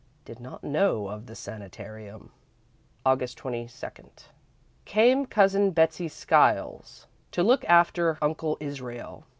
Did not know of the sanitarium. "Aug. 22. Came Cousin Betsey Skiles to look after Uncle Israel.